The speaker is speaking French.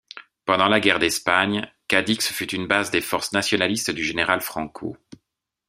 Pendant la guerre d'Espagne, Cadix fut une base des forces nationalistes du général Franco.